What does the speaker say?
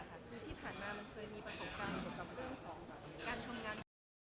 คือที่ผ่านมามันเคยมีประสบความสุขกับเรื่องของ